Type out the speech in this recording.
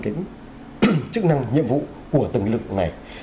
cái chức năng nhiệm vụ của từng lực này